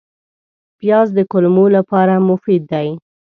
پیاز د کولمو لپاره مفید دی